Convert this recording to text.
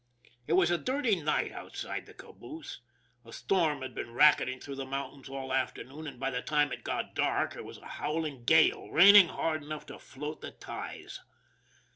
It was a dirty night outside the caboose. A storm had been racketing through the mountains all after noon, and by the time it got dark it was a howling gale, raining hard enough to float the ties.